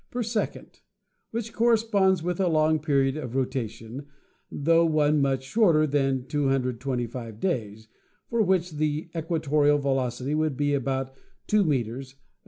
per second, which corresponds with a long period of rotation, tho one much shorter than 225 days, for which the equatorial velocity would be about 2 meters (6.